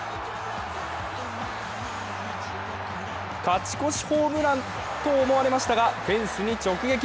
勝ち越しホームラン！？と思われましたが、フェンスに直撃。